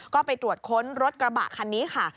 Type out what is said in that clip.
ก็ไปตรวจค้นรถกระบะคันนี้ค่ะ